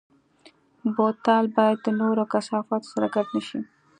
بوتل باید د نورو کثافاتو سره ګډ نه شي.